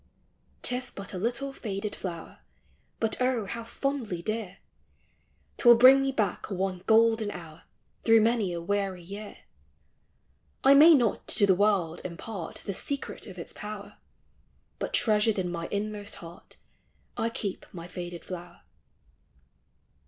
'T is but a little faded flower, But oh, how fondly dear ! 'T will bring me back one golden hour, Through many a weary year. I may not to the world impart The secret of its power, But treasured in my inmost heart, I keep my faded flower.